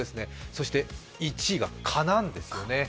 そして１位が蚊なんですよね。